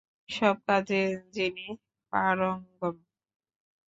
সব কাজে যিনি পারঙ্গম।